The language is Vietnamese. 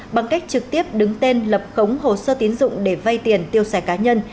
bằng cách trực tiếp đứng tên lập khống hồ sơ tín dụng để vay tiền tiêu sẻ cá nhân